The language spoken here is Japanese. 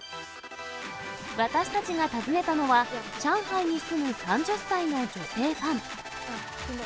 私たちが訪ねたのは、上海に住む３０歳の女性ファン。